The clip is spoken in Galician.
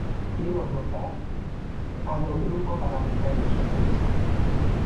Imos votar a do Grupo Parlamentario Socialista.